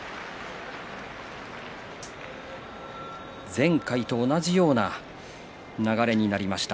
前回と同じような流れになりました。